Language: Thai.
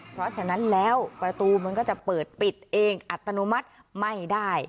เพราะฉะนั้นแล้วประตูมันก็จะเปิดปิดเองอัตโนมัติไม่ได้